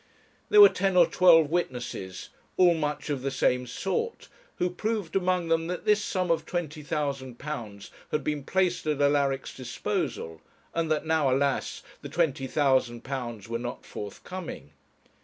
There were ten or twelve witnesses, all much of the same sort, who proved among them that this sum of twenty thousand pounds had been placed at Alaric's disposal, and that now, alas! the twenty thousand pounds were not forthcoming.